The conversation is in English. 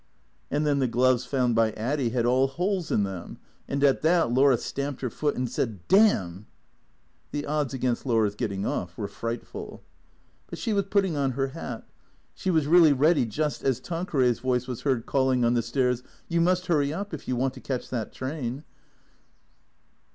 And then the gloves found by Addy had all holes in them. And at that Laura stamped her foot and said, " Damn !" The odds against Laura's getting off were frightful. But she was putting on her hat. She was really ready just as Tanqueray's voice was heard calling on the stairs, "You must hurry up if you want to catch that train."